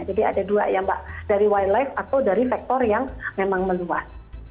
jadi ada dua ya mbak dari wildlife atau dari sektor yang memang meluas